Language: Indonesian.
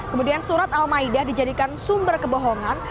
kemudian surat al maidah dijadikan sumber kebohongan